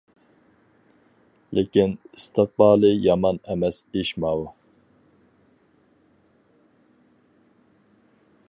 لېكىن ئىستىقبالى يامان ئەمەس ئىش ماۋۇ.